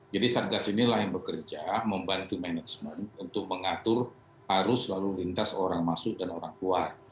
jadi sasgas inilah yang bekerja membantu manajemen untuk mengatur arus lalu lintas orang masuk dan orang keluar